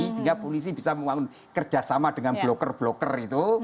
sehingga polisi bisa membangun kerjasama dengan bloker bloker itu